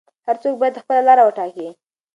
هر څوک باید خپله لاره وټاکي.